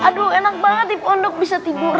aduh enak banget di pondok bisa tidur